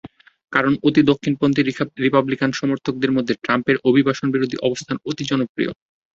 কারণ, অতি দক্ষিণপন্থী রিপাবলিকান সমর্থকদের মধ্যে ট্রাম্পের অভিবাসনবিরোধী অবস্থান অতি জনপ্রিয়।